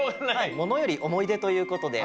ものよりおもいでということで。